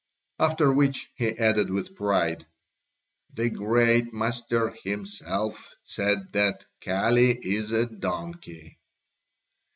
After which he added with pride: "The great master himself said that Kali is a donkey."